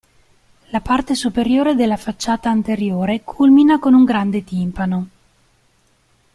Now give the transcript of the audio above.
La parte superiore della facciata anteriore culmina con un grande timpano.